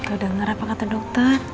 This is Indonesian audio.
kalau dengar apa kata dokter